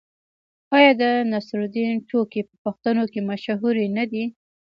آیا د نصرالدین ټوکې په پښتنو کې مشهورې نه دي؟